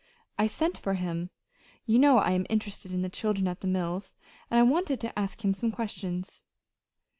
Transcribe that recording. I sent for him. You know I am interested in the children at the mills, and I wanted to ask him some questions."